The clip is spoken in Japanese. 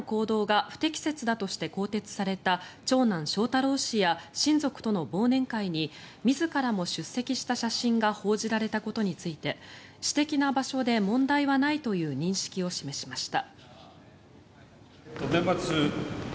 岸田総理大臣は総理公邸での行動が不適切だとして更迭された長男・翔太郎氏や親族との忘年会に自らも出席した写真が報じられたことについて私的な場所で問題はないという認識を示しました。